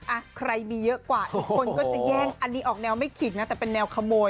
อ่ะใครมีเยอะกว่าอีกคนก็จะแย่งอันนี้ออกแนวไม่ขิกนะแต่เป็นแนวขโมย